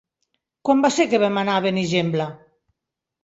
Quan va ser que vam anar a Benigembla?